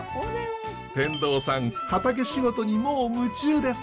天童さん畑仕事にもう夢中です。